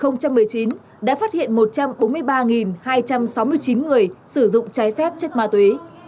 năm hai nghìn một mươi chín đã phát hiện một trăm bốn mươi ba hai trăm sáu mươi chín người sử dụng trái phép chất ma túy